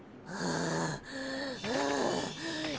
ああ。